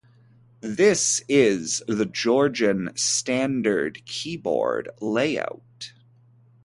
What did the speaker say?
This is the Georgian standard keyboard layout.